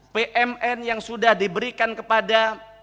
pmn yang sudah diberikan kepada